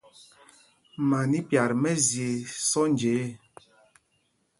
Man í pyat mɛ́zye sɔ́nja ê.